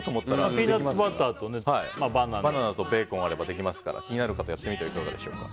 ピーナツバターとバナナとベーコンがあればできますから気になる方はやってみてはいかがでしょうか。